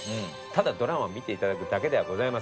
ただドラマを見ていただくだけではございません。